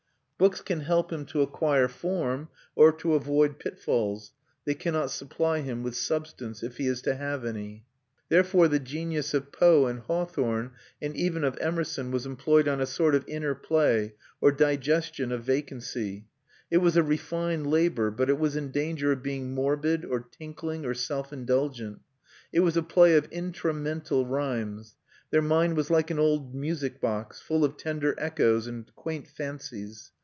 Books can help him to acquire form, or to avoid pitfalls; they cannot supply him with substance, if he is to have any. Therefore the genius of Poe and Hawthorne, and even of Emerson, was employed on a sort of inner play, or digestion of vacancy. It was a refined labour, but it was in danger of being morbid, or tinkling, or self indulgent. It was a play of intra mental rhymes. Their mind was like an old music box, full of tender echoes and quaint fancies.